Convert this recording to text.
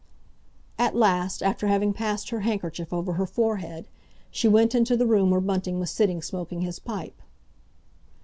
At last, after having passed her handkerchief over her forehead, she went into the room where Bunting was sitting smoking his pipe.